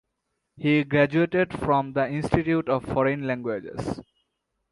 He graduated from the Institute of Foreign Languages.